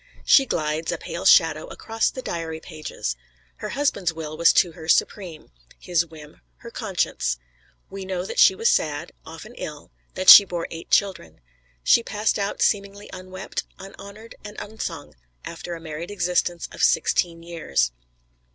She glides, a pale shadow, across the diary pages. Her husband's will was to her supreme; his whim her conscience. We know that she was sad, often ill, that she bore eight children. She passed out seemingly unwept, unhonored and unsung, after a married existence of sixteen years.